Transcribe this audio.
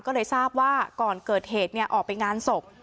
ก็เลยทราบว่าก่อนเกิดเหตุออกไปงานศพ